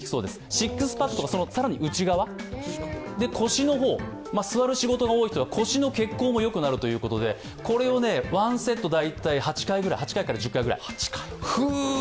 シックスパッドとか、さらに内側腰の方、座る仕事が多い人は腰の血行も良くなるということで、これを、１セット、大体８１０回ぐらい。